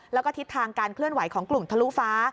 แล้วก็ทิศทางการเคลื่อนไหวของกลุ่มทะลุฟ้า